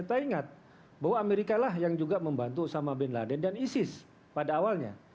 kita ingat bahwa amerika lah yang juga membantu sama bin laden dan isis pada awalnya